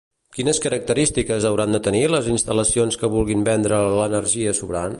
Quines característiques hauran de tenir les instal·lacions que vulguin vendre l'energia sobrant?